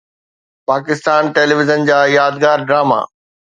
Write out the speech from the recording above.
Pakistan television جا يادگار drama